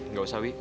gak usah wi